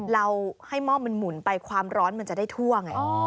เราให้หม้อมันหมุนไปความร้อนมันจะได้ทั่วไง